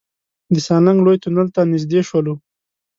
د سالنګ لوی تونل ته نزدې شولو.